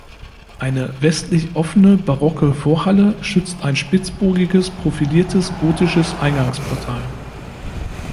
Eine westlich offene barocke Vorhalle schützt ein spitzbogiges, profiliertes gotisches Eingangsportal.